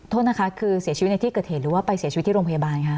โทษนะคะคือเสียชีวิตในที่เกิดเหตุหรือว่าไปเสียชีวิตที่โรงพยาบาลคะ